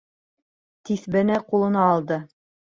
Тиҫбене ҡулына алды: